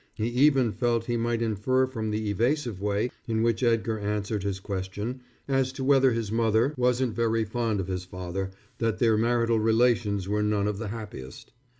He even felt he might infer from the evasive way in which Edgar answered his question as to whether his mother wasn't very fond of his father that their marital relations were none of the happiest.